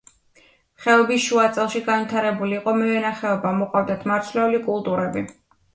ხეობის შუაწელში განვითარებული იყო მევენახეობა, მოჰყავდათ მარცვლეული კულტურები.